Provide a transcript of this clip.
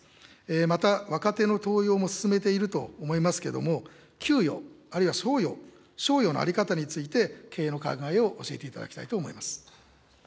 また若手の登用も進めていると思いますけれども、給与、あるいは賞与、賞与の在り方について経営の考えを教えていただきたいと思います。